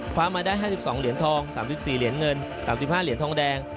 มาได้๕๒เหรียญทอง๓๔เหรียญเงิน๓๕เหรียญทองแดง